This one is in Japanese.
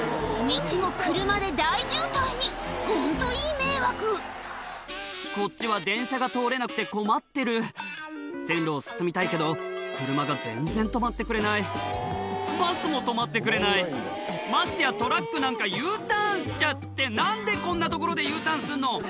道も車で大渋滞にホントいい迷惑こっちは電車が通れなくて困ってる線路を進みたいけど車が全然止まってくれないバスも止まってくれないましてやトラックなんかＵターンしちゃって何でこんな所でＵターンするの？